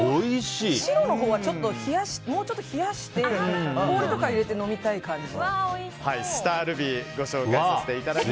白のほうはもうちょっと冷やして氷とか入れて飲みたい感じ。